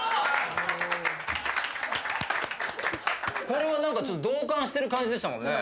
これは何か同感してる感じでしたもんね。